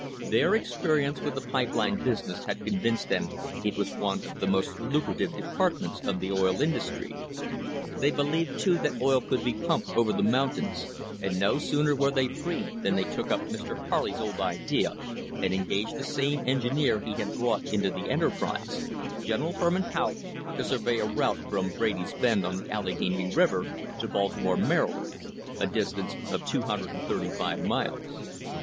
Their experience with the pipe line business had convinced them it was one of the most lucrative departments of the oif industry. They believed too that oil could be pumped over the mountains, and no sooner were they free than they took up Mr. Harley's old idea and engaged the same engineer he had brought into the enterprise, General Herman Haupt, to survey a route from Brady's Bend on the Allegheny River to Baltimore, Maryland — a distance of 235 miles.